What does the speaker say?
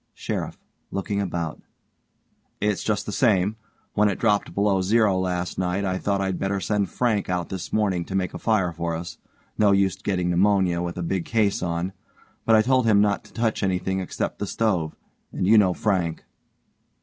SHERIFF: (looking about) It's just the same. When it dropped below zero last night I thought I'd better send Frank out this morning to make a fire for us no use getting pneumonia with a big case on, but I told him not to touch anything except the stove and you know Frank.